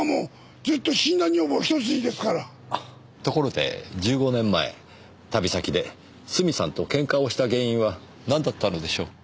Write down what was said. ところで１５年前旅先でスミさんとケンカをした原因はなんだったのでしょう？